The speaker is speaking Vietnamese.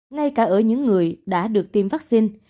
ngay cả ở những người đã được tiêm vaccine